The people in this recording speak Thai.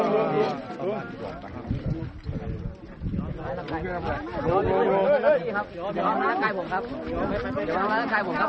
อย่ามาทำร้ายร่างกายผมนะครับ